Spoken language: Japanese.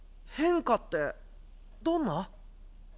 変化ってどんな？